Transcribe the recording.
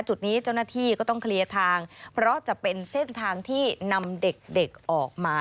จุดนี้เจ้าหน้าที่ก็ต้องเคลียร์ทางเพราะจะเป็นเส้นทางที่นำเด็กออกมา